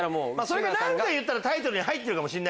それか何か言ったらタイトルに入ってるかも。